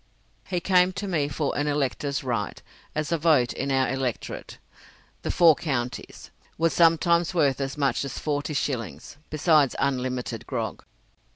He came to me for an elector's right, as a vote in our electorate the Four Counties was sometimes worth as much as forty shillings, besides unlimited grog.